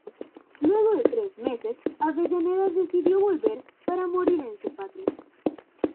Luego de tres meses, Avellaneda decidió volver para morir en su patria.